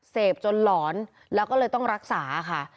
จนหลอนแล้วก็เลยต้องรักษาค่ะ